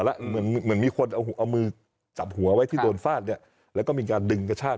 แล้วเหมือนเหมือนมีคนเอามือจับหัวไว้ที่โดนฟาดเนี่ยแล้วก็มีการดึงกระชาก